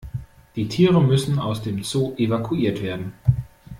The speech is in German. Die Tiere müssen aus dem Zoo evakuiert werden.